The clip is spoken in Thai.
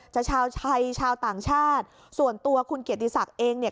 ชาวไทยชาวต่างชาติส่วนตัวคุณเกียรติศักดิ์เองเนี่ย